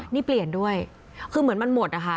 นี่เปลี่ยนด้วยคือเหมือนมันหมดนะคะ